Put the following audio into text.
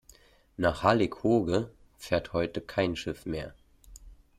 Nach Hallig Hooge fährt heute kein Schiff mehr.